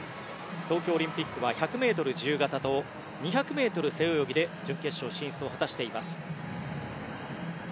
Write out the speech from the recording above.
東京オリンピックは１００ｍ自由形と２００ｍ背泳ぎで準決勝進出を果たしています。